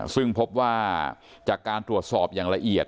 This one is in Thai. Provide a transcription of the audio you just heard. ซึ่งพบว่าจากการตรวจสอบอย่างละเอียด